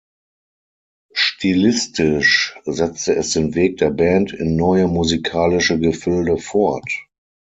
Stilistisch setzte es den Weg der Band in neue musikalische Gefilde fort.